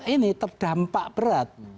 ini terdampak berat